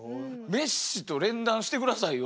メッシと連弾して下さいよ。